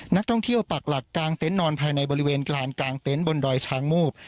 นักท่องเที่ยวปักหลักกางเต็นต์นอนภายในบริเวณกลางเต็นต์บนดอยช้างมูบ